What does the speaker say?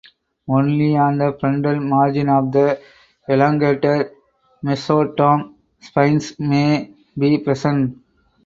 Only on the frontal margin of the elongated mesonotum spines may be present.